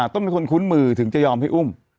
ต้องเป็นคนคุ้นมือถึงจะยอมให้อุ้ม